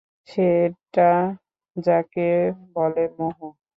সেটা যাকে বলে মোহ।